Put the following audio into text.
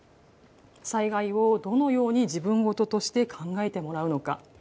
災害をどのように自分事として考えてもらうのか。